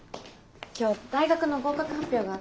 今日大学の合格発表があって。